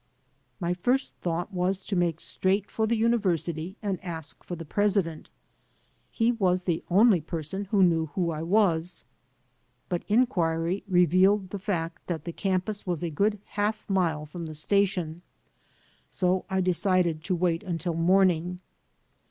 My first thought was to make straight for the university and ask for the president. He was the only person who knew who I was. But inquiry revealed the fact that the campus was a good half mile from the station, so I decided to wait until morning.